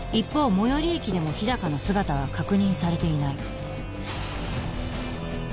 最寄り駅でも日高の姿は確認されていない